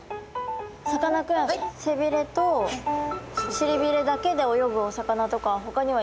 さかなクン背びれとしりびれだけで泳ぐお魚とかはほかにはいるんですか？